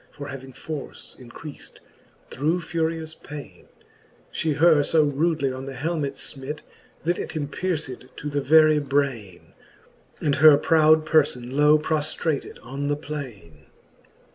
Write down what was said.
For having force increaft through furious paine, She her fb rudely on the helmet fmit. That it empierced to the very braine, And her proud perlbn low proftrated on the plaine.